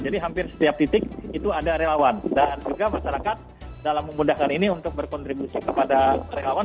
jadi hampir setiap titik itu ada relawan dan juga masyarakat dalam memudahkan ini untuk berkontribusi kepada relawan